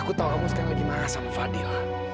aku tahu kamu sekarang lagi marah sama fadil